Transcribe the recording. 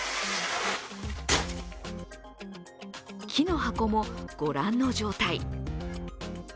木の箱もご覧の状態。